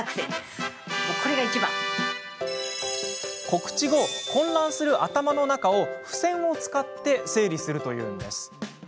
告知後、混乱する頭の中を付箋を使って整理するというんです。